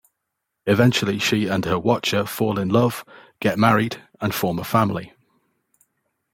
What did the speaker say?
Eventually she and her Watcher fall in love, get married and form a family.